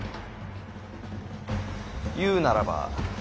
言うならば。